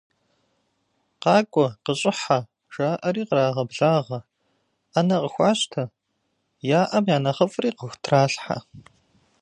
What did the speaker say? Къакӏуэ, къыщӏыхьэ!- жаӏэри кърагъэблагъэ, ӏэнэ къыхуащтэ, яӏэм и нэхъыфӏри къыхутралъхьэ.